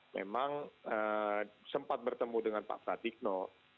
memang sempat bertemu dengan pak pratikno